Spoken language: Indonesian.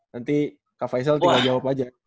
nanti kak faisal tinggal jawab aja